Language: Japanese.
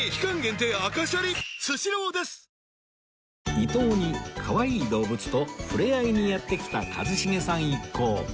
伊東に可愛い動物と触れ合いにやって来た一茂さん一行